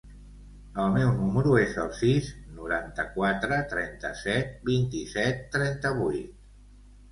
El meu número es el sis, noranta-quatre, trenta-set, vint-i-set, trenta-vuit.